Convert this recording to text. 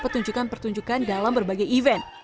pertunjukan pertunjukan dalam berbagai event